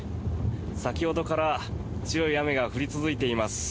先ほどから強い雨が降り続いています。